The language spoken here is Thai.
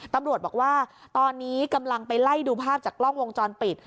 ตำรวจบอกว่าตอนนี้กำลังไปไล่ดูภาพจากกล้องวงจรปิด